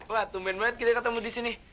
wah tumben banget kita ketemu disini